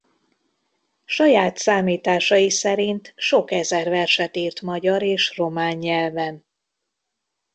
Saját számításai szerint sok ezer verset írt magyar és román nyelven.